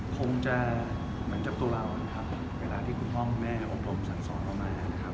คงจะเหมือนกับตัวเรานะครับเวลาที่คุณพ่อคุณแม่ของผมสั่งสอนเรามานะครับ